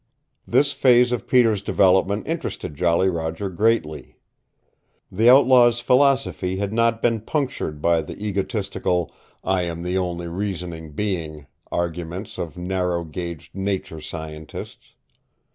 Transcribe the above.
This phase of Peter's development interested Jolly Roger greatly. The outlaw's philosophy had not been punctured by the egotistical "I am the only reasoning being" arguments of narrow gauged nature scientists.